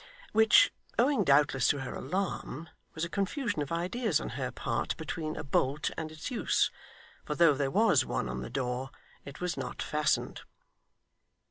which, owing doubtless to her alarm, was a confusion of ideas on her part between a bolt and its use; for though there was one on the door, it was not fastened.